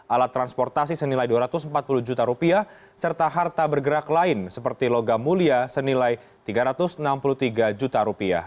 alat transportasi senilai rp dua ratus empat puluh juta serta harta bergerak lain seperti logam mulia senilai rp tiga ratus enam puluh tiga juta